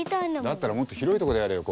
だったらもっと広いとこでやれよ